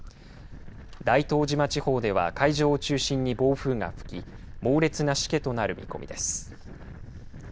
大東島地方では海上を中心に暴風が吹き猛烈なしけとなる見込みです。